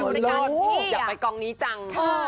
อุหหเห็นตัวแล้วเล่นกะทิอยากไปกองนี้จัง